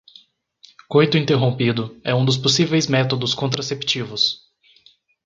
Coito interrompido é um dos possíveis métodos contraceptivos